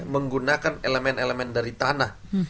menggunakan elemen elemen dari tanah